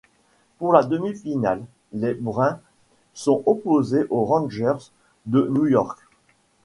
Pour la demi-finale, les Bruins sont opposés aux Rangers de New York.